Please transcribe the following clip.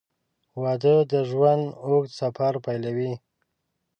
• واده د ژوند اوږد سفر پیلوي.